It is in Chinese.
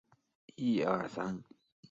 兰屿芋为天南星科落檐属下的一个种。